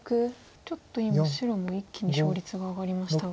ちょっと今白一気に勝率が上がりましたが。